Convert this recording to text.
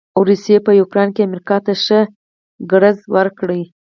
روسې په يوکراين کې امریکا ته ښه ګړز ورکړ.